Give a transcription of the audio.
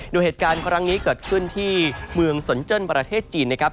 โดยเหตุการณ์ครั้งนี้เกิดขึ้นที่เมืองสนเจิ้นประเทศจีนนะครับ